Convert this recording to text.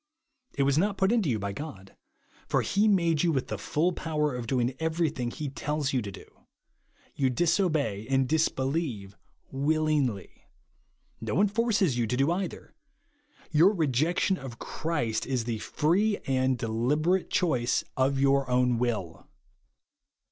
It was not put into you by God ; for he made you with the full power of doing everything he tells you to do. You disobey and disbelieve vjillingjy. No one forces you to do either. Your rejection of Christ is the feee AND DELIBERATE CHOICE OF YOUR OWN WILL.